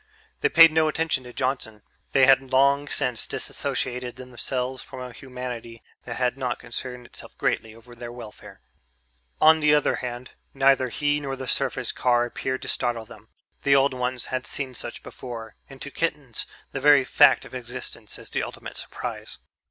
They paid no attention to Johnson they had long since dissociated themselves from a humanity that had not concerned itself greatly over their welfare. On the other hand, neither he nor the surface car appeared to startle them; the old ones had seen such before, and to kittens the very fact of existence is the ultimate surprise.